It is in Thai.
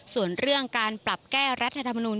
ส่วนเรื่องการปรับแก้รัฐธรรมนูล